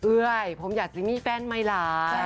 เอ้ยผมอยากจะมีแฟนไหมล่ะ